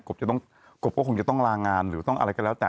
กบก็คงจะต้องลางงานหรือต้องอะไรกันแล้วแต่